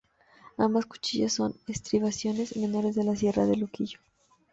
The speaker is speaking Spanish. Ambas cuchillas son estribaciones menores de la Sierra de Luquillo.